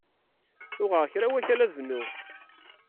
Uɣeɣ kra wakal ad bnuɣ.